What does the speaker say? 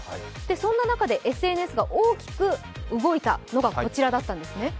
そんな中で、ＳＮＳが大きく動いたのがこちらだったんですね。